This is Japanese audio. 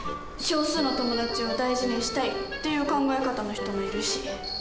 「少数の友達を大事にしたい」っていう考え方の人もいるし。